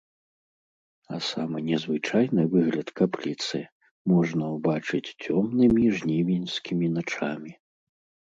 А самы незвычайны выгляд капліцы можна ўбачыць цёмнымі жнівеньскімі начамі.